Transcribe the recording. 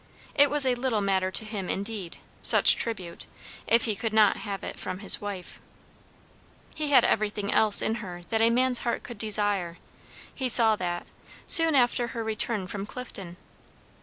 It was a little matter to him, indeed, such tribute, if he could not have it from his wife. He had everything else in her that a man's heart could desire! He saw that, soon after her return from Clifton.